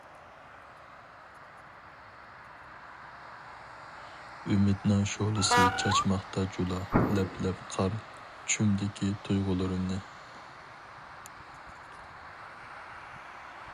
ئۈمىدنىڭ شولىسى چاچماقتا جۇلا، لەپ-لەپ قار چۈمكىدى تۇيغۇلىرىمنى.